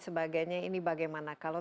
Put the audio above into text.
sebagainya ini bagaimana kalau